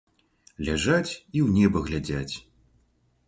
Ляжаць і ў неба глядзяць.